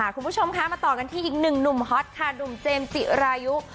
คุณผู้ชมคะมาต่อกันที่อีกหนึ่งหนุ่มฮอตค่ะหนุ่มเจมส์จิรายุ